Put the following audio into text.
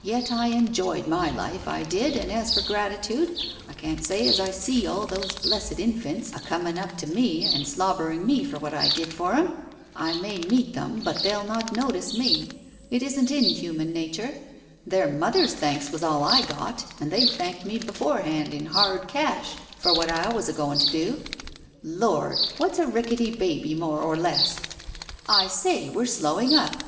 Yet I enjoyed my life, I did, and as for gratitude, I can't say as I see all those blessed infants a coming up to me, and slobbering me for what I did for 'em. I may meet them, but they'll not notice me. It isn't in human nature. Their mothers' thanks was all I got, and they thanked me beforehand in hard cash for what I was a going to do. Lord, what's a ricketty baby more or less ? I say, we're slowing up